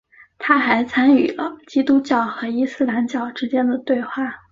他还参与了基督教和伊斯兰教之间的对话。